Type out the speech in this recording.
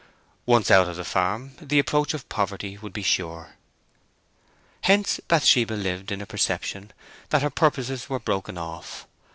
Once out of the farm, the approach of poverty would be sure. Hence Bathsheba lived in a perception that her purposes were broken off.